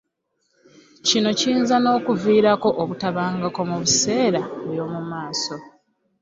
Kino kiyinza n’okuviirako obutabanguko mu biseera eby’omu maaso.